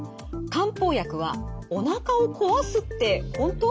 「漢方薬はおなかを壊すってほんと？」。